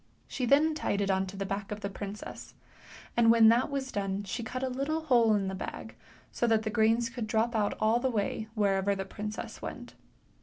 She then tied it on to the back of the princess, and when that was done she cut a little hole in the bag. so that the grains could drop out all the way wherever the princess went.